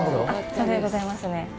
そうでございますね。